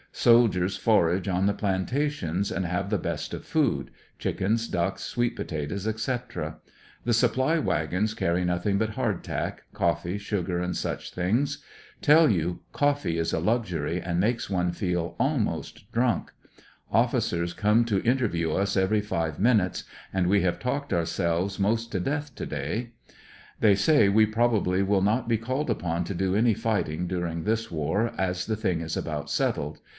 Soldiers forage on the plantations, and have the best of food; chickens, ducks, sweet potatoes, etc. The supply wagons carry nothing but hard tack, coffee, sugar and such things. Tell you, coffee is a luxury, and makes one feel almost drunk. Offi cers come to interview us every five minutes, and we have talked 156 THE STARS AND STRIPES. ourselves most to death to day. They say we probably will not be called upon to do any fighting during this war, as the thing is about settled.